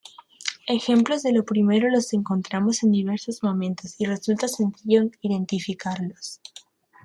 Ejemplos de lo primero los encontramos en diversos momentos y resulta sencillo identificarlos.